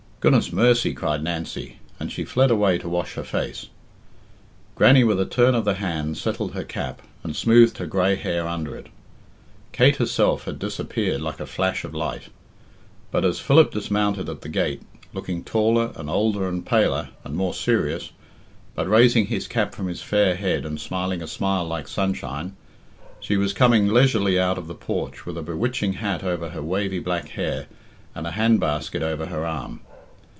"Goodness mercy!" cried Nancy, and she fled away to wash her face. Grannie with a turn of the hand settled her cap, and smoothed her grey hair under it. Kate herself had disappeared like a flash of light; but as Philip dismounted at the gate, looking taller, and older, and paler, and more serious, but raising his cap from his fair head and smiling a smile like sunshine, she was coming leisurely out of the porch with a bewitching hat over her wavy black hair and a hand basket over her arm.